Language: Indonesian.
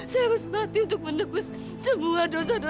saya bahkan ibu secara przez